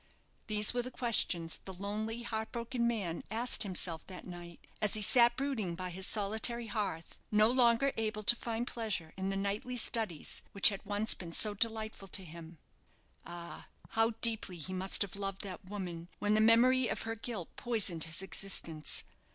These were the questions the lonely, heartbroken man asked himself that night, as he sat brooding by his solitary hearth, no longer able to find pleasure in the nightly studies which had once been so delightful to him. Ah! how deeply he must have loved that woman, when the memory of her guilt poisoned his existence!